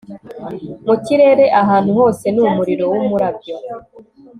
mu kirere, ahantu hose, ni umuriro wumurabyo